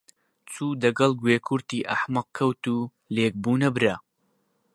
چوو دەگەڵ گوێ کورتی ئەحمەق کەوت و لێک بوونە برا